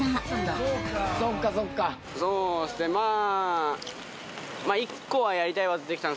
そうですねまあ。